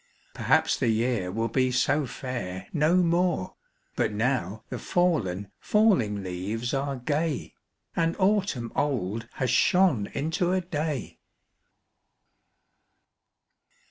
Perhaps the year will be so fair no more, But now the fallen, falling leaves are gay, And autumn old has shone into a Day!